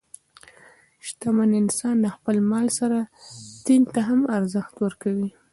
شتمن انسان د خپل مال سره دین ته هم ارزښت ورکوي.